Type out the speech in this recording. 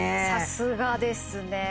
さすがですね